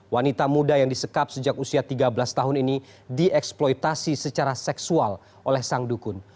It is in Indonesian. wanita muda yang disekap sejak usia tiga belas tahun ini dieksploitasi secara seksual oleh sang dukun